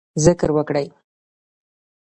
ذکر وکړئ